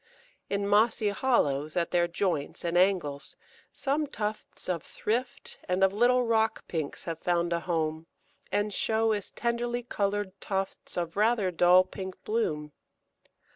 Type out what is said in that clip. In mossy hollows at their joints and angles, some tufts of Thrift and of little Rock Pinks have found a home, and show as tenderly coloured tufts of rather dull pink bloom.